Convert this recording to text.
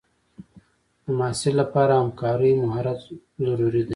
د محصل لپاره همکارۍ مهارت ضروري دی.